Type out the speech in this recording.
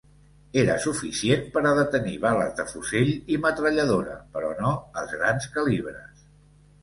Era suficient per a detenir bales de fusell i metralladora, però no els grans calibres.